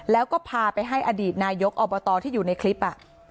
แล้วก็พาไปให้อดีตนายกอบตที่อยู่ในคลิป